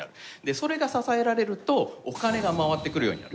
それが支えられるとお金がまわってくるようになる。